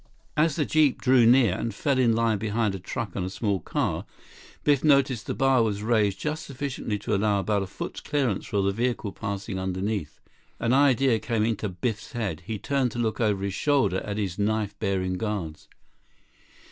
32 As the jeep drew near and fell in line behind a truck and a small car, Biff noticed the bar was raised just sufficiently to allow about a foot's clearance for the vehicle passing beneath. An idea came into Biff's head. He turned to look over his shoulder at his knife bearing guards.